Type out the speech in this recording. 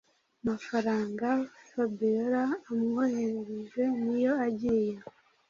mafaranga fabiora amwoherereje niyo agiye